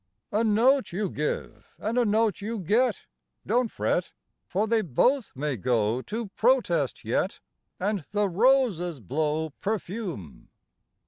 IV. A note you give and a note you get; don't fret, For they both may go to protest yet, And the roses blow perfume.